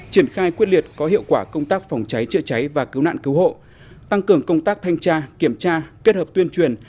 triển khai quyết liệt có hiệu quả công tác phòng cháy chữa cháy và cứu nạn cứu hộ tăng cường công tác thanh tra kiểm tra kết hợp tuyên truyền